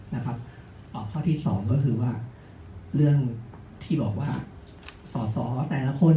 นะครับอ่ะข้อที่สองก็คือว่าเรื่องที่บอกว่าสรตและคน